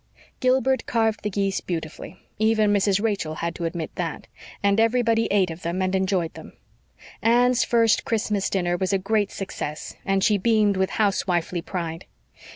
Gilbert carved the geese beautifully. Even Mrs. Rachel had to admit that. And everybody ate of them and enjoyed them. Anne's first Christmas dinner was a great success and she beamed with housewifely pride.